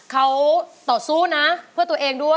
เพื่อจะไปชิงรางวัลเงินล้าน